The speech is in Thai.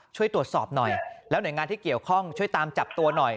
ช่วยตรวจสอบหน่อยแล้วหน่วยงานที่เกี่ยวข้องช่วยตามจับตัวหน่อย